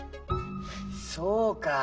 そうか。